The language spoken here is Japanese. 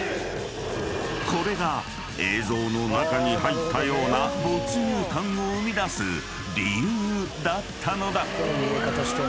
［これが映像の中に入ったような没入感を生み出す理由だったのだ］